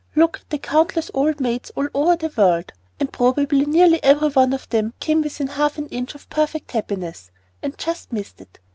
Look at the countless old maids all over the world; and probably nearly every one of them came within half an inch of perfect happiness, and just missed it.